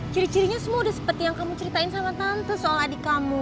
ciri cirinya semua udah seperti yang kamu ceritain sama tante soal adik kamu